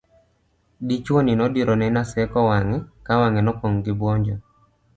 dichuo ni nodiro ne Naseko wang'e ka wang'e nopong' gi buonjo